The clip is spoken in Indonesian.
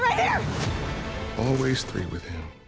selalu tiga bersama dia